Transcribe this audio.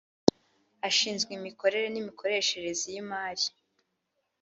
ashinzwe imikorere y’imikoresherezi y’imari